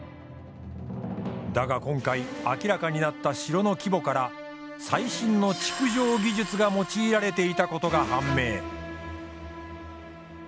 だが今回明らかになった城の規模から最新の築城技術が用いられていたことが判明。